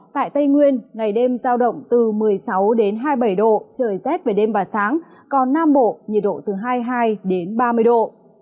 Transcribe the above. tại tây nguyên ngày đêm giao động từ một mươi sáu đến hai mươi bảy độ trời rét về đêm và sáng còn nam bộ nhiệt độ từ hai mươi hai ba mươi độ